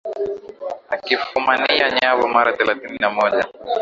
akifumania nyavu mara thelathini na moja